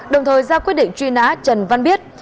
đồng thời ra quyết định truy nã trần văn biết